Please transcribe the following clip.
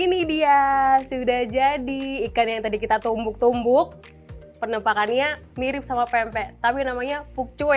ini dia sudah jadi ikan yang tadi kita tumbuk tumbuk penempakannya mirip sama pempek tapi namanya fukchue